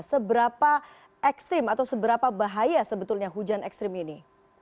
seberapa ekstrim atau seberapa bahaya sebetulnya hujan ekstrim ini